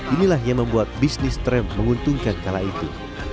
inilah yang membuat bisnis tram menguntungkan kala itu